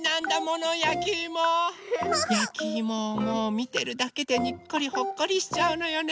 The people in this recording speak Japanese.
やきいもをもうみてるだけでにっこりほっこりしちゃうのよね。